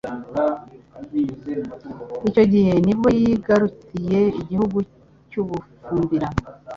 Icyo gihe nibwo yigaruriye igihugu cy'u Bufumbira